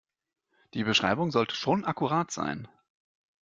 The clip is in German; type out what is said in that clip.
Die Beschreibung sollte schon akkurat sein.